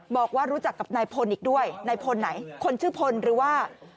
บอกว่ารู้จักกับนายพลอีกด้วยนายพลไหนคนชื่อพลหรือว่า